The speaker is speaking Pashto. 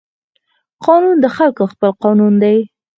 قانون د خلقو خپل قانون دى.